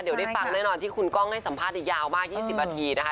เดี๋ยวได้ฟังแน่นอนที่คุณก้องให้สัมภาษณ์ยาวมาก๒๐นาทีนะคะ